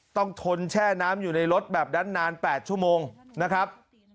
ทนแช่น้ำอยู่ในรถแบบนั้นนาน๘ชั่วโมงนะครับ